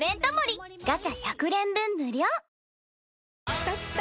きたきた！